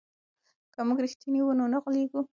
که موږ رښتیني وو نو نه غولېږو.